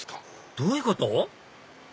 どういうこと？